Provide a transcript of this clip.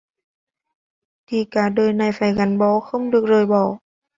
thì cả đời này phải gắn bó không được bỏ rơi